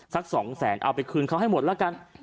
สัก๒แสนเอาไปคืนเขาให้หมดละกัน